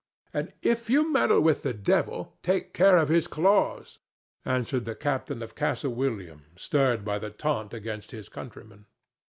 "If you meddle with the devil, take care of his claws," answered the captain of Castle William, stirred by the taunt against his countrymen.